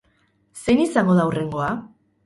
Zein izango da hurrengoa?